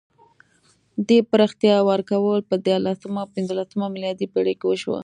دې پراختیا ورکول په دیارلسمه او پنځلسمه میلادي پېړۍ کې وشوه.